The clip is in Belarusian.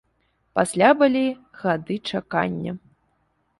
Пасля былі гады чакання.